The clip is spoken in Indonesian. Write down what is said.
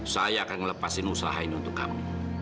saya akan melepaskan usaha ini untuk kami